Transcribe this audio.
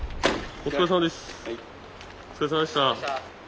お疲れさまでした。